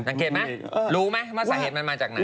สังเกตมั้ยรู้มั้ยว่าสาเหตุมันมาจากไหน